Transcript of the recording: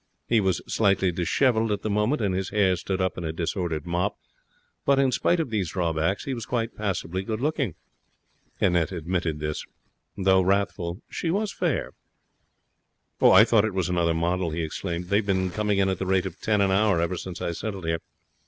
He was slightly dishevelled at the moment, and his hair stood up in a disordered mop; but in spite of these drawbacks, he was quite passably good looking. Annette admitted this. Though wrathful, she was fair. 'I thought it was another model,' he explained. 'They've been coming in at the rate of ten an hour ever since I settled here.